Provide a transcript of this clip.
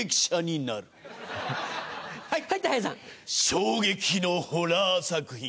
衝撃のホラー作品。